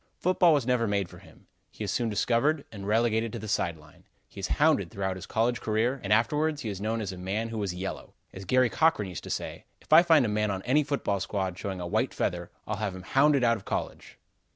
Football was never made for him. He is soon discovered and relegated to the side line. He is hounded throughout his college career, and afterwards he is known as a man who was yellow. As Garry Cochran used to say: "If I find any man on my football squad showing a white feather, I'll have him hounded out of college."